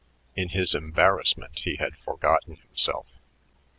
In his embarrassment he had forgotten himself.